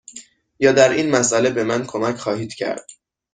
یا در این مسأله به من کمک خواهید کرد؟